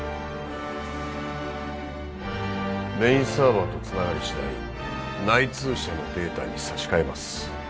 メインサーバーとつながり次第内通者のデータに差し替えます